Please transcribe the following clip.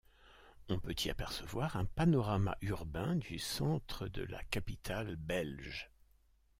On peut y apercevoir un panorama urbain du centre de la capitale belge.